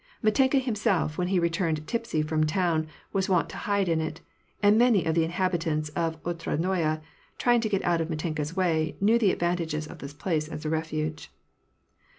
Mitenka himself, when he returned tipsy from town, was wont to hide in it ; and many of the in habitants of Otradnoye, trying to get out of Mitenka's way, knew the advantages of this place as a refuge.